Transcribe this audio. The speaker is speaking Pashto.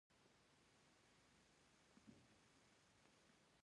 د غلو دانو تولید د وخت په تیریدو زیات شو.